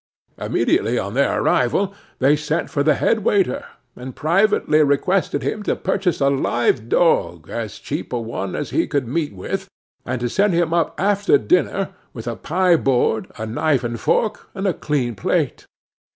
Immediately on their arrival they sent for the head waiter, and privately requested him to purchase a live dog,—as cheap a one as he could meet with,—and to send him up after dinner, with a pie board, a knife and fork, and a clean plate.